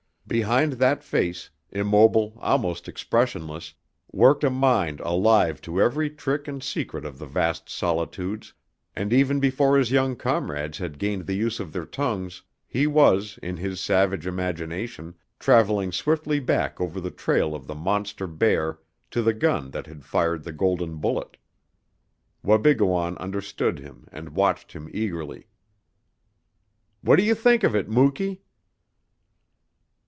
Behind that face, immobile, almost expressionless, worked a mind alive to every trick and secret of the vast solitudes, and even before his young comrades had gained the use of their tongues he was, in his savage imagination, traveling swiftly back over the trail of the monster bear to the gun that had fired the golden bullet. Wabigoon understood him, and watched him eagerly. "What do you think of it, Muky?"